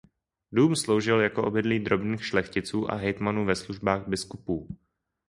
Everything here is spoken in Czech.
Dům sloužil jako obydlí drobných šlechticů a hejtmanů ve službách biskupů.